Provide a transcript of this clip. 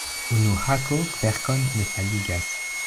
Unu hako kverkon ne faligas.